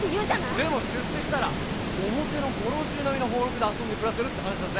でも出世したら表のご老中並みの俸禄で遊んで暮らせるって話だぜ。